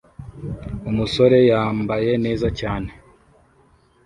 Umusore yambaye neza cyane